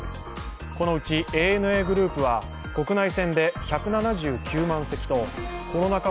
このうちＡＮＡグループは国内線で１７９万席とコロナ禍